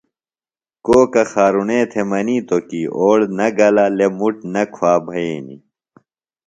کوکہ خارُݨے تھےۡ منِیتوۡ کی اوڑ نہ گلہ لےۡ مُٹ نہ کُھوا بھئینیۡ۔